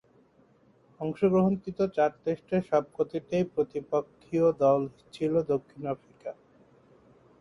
অংশগ্রহণকৃত চার টেস্টের সবকটিতেই প্রতিপক্ষীয় দল ছিল দক্ষিণ আফ্রিকা।